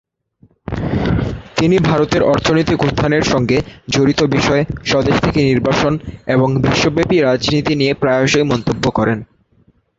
তিনি ভারতের অর্থনৈতিক উত্থানের সঙ্গে জড়িত বিষয়, স্বদেশ থেকে নির্বাসন এবং বিশ্বব্যাপী রাজনীতি নিয়ে প্রায়শই মন্তব্য করেন।